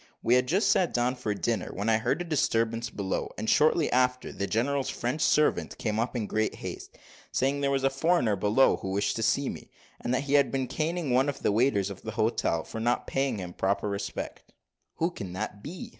We had just sat down to dinner, when we heard a disturbance below; and, shortly after, the general's French servant came up in great haste, saying that there was a foreigner below, who wished to see me; that he had been caning one of the waiters of the hotel, for not paying him proper respect. "Who can that be?"